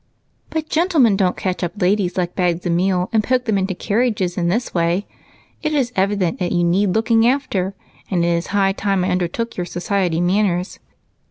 "But gentlemen don't catch up ladies like bags of meal and poke them into carriages in this way. It is evident that you need looking after, and it is high time I undertook your society manners.